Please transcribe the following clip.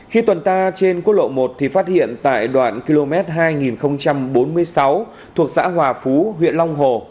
khi tuần tra trên quốc lộ một thì phát hiện tại đoạn km hai nghìn bốn mươi sáu thuộc xã hòa phú huyện long hồ